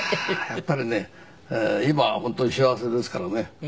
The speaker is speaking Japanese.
やっぱりね今本当に幸せですからね。